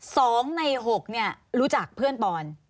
สองในหกเนี่ยรู้จักเพื่อนปอน